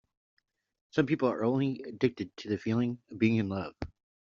Some people are only addicted to the feeling of being in love.